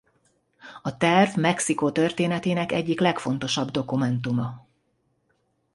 A terv Mexikó történetének egyik legfontosabb dokumentuma.